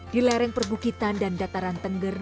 di lereng perbukitan dan dataran tengger